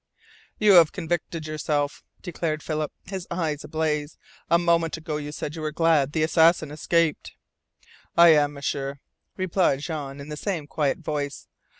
"You have convicted yourself," declared Philip, his eyes ablaze. "A moment ago you said you were glad the assassin escaped!" "I am, M'sieur," replied Jean in the same quiet voice.